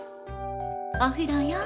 お風呂よ。